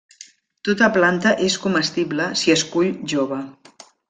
Tota la planta és comestible si es cull jove.